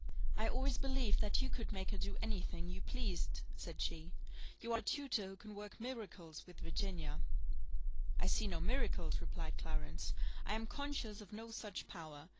"I always believed that you could make her any thing you pleased," said she. "You are a tutor who can work miracles with Virginia." "I see no miracles," replied Clarence; "I am conscious of no such power.